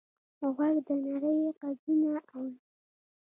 غوږ د نړۍ غږونه اوري.